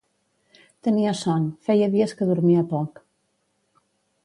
Tenia son, feia dies que dormia poc.